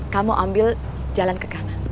kamu ambil jalan ke kanan